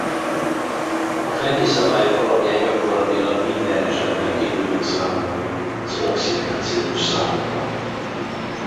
A fenti szabályok alapján gyakorlatilag minden esetben ki tudjuk számolni az oxidációs számokat.